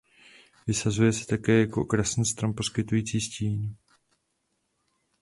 Vysazuje se také jako okrasný strom poskytující stín.